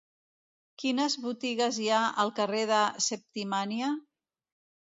Quines botigues hi ha al carrer de Septimània?